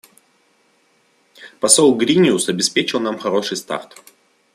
Посол Гриниус обеспечил нам хороший старт.